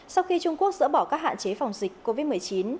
sau khi trung quốc dỡ bỏ các hạn chế phòng dịch covid một mươi chín